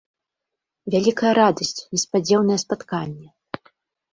Вялікая радасць, неспадзеўнае спатканне.